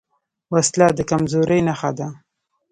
وسله د کمزورۍ نښه ده